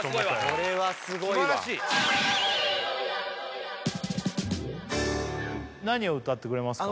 これはすごいわ何を歌ってくれますか？